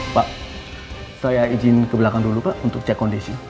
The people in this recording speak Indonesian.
pak saya izin ke belakang dulu pak untuk cek kondisi